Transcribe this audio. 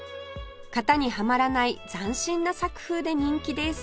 型にはまらない斬新な作風で人気です